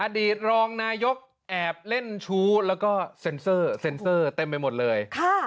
อดีตรองนายกแอบเล่นชู้แล้วก็เซ็นเซอร์เซ็นเซอร์เต็มไปหมดเลย